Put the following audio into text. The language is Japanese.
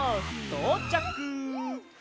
とうちゃく。